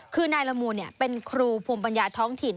คือนายละมูลเป็นครูภูมิปัญญาท้องถิ่น